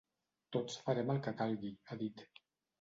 Tots farem el que calgui, ha dit.